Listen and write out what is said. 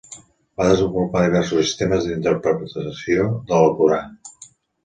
Va desenvolupar diversos sistemes d'interpretació de l'Alcorà.